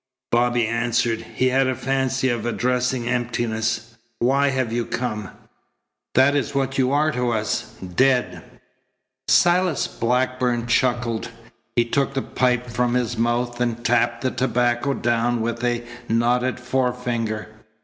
Bobby answered. He had a fancy of addressing emptiness. "Why have you come? That is what you are to us dead." Silas Blackburn chuckled. He took the pipe from his mouth and tapped the tobacco down with a knotted forefinger.